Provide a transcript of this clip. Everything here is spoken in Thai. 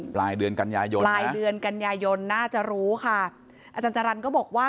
ปลายเดือนกันยายนน่าจะรู้ค่ะอาจารย์จรรย์ก็บอกว่า